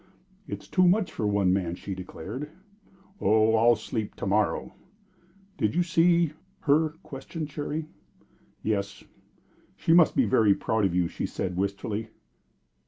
"It's too much for one man," she declared. "Oh, I'll sleep to morrow." "Did you see her?" questioned Cherry. "Yes!" "She must be very proud of you," she said, wistfully.